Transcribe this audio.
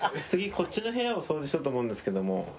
次こっちの部屋を掃除しようと思うんですけども。